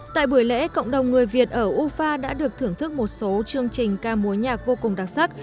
tại buổi lễ cộng đồng người việt ở ufa đã được thưởng thức một số chương trình ca múa nhạc vô cùng đặc sắc